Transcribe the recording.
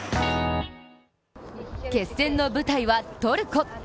決戦の舞台はトルコ。